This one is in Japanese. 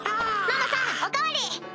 ママさんお代わり！